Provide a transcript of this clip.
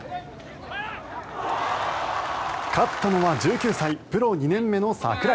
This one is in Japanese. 勝ったのは１９歳、プロ２年目の櫻井。